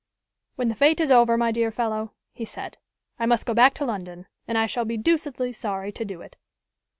"When the fête is over, my dear fellow," he said, "I must go back to London, and I shall be deucedly sorry to do it."